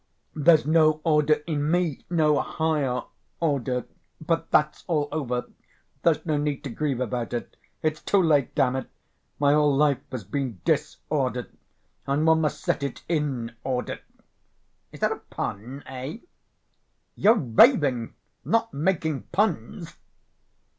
There's no order in me, no higher order. But ... that's all over. There's no need to grieve about it. It's too late, damn it! My whole life has been disorder, and one must set it in order. Is that a pun, eh?" "You're raving, not making puns!"